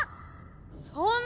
そんな。